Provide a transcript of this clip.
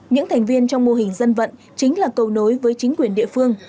những thành viên trong mô hình dân vận chính là cầu nối với chính quyền địa phương